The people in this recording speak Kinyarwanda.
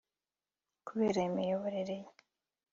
kubera imiyoborere ye